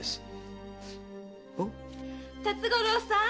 辰五郎さん